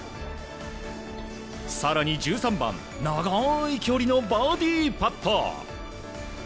更に、１３番長い距離のバーディーパット。